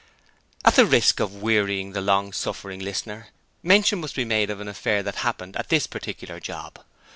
At the risk of wearying the long suffering reader, mention must be made of an affair that happened at this particular 'job'.